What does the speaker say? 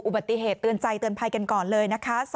อุบัติเหตุเตือนใจเตือนภัยกันก่อนเลยนะคะ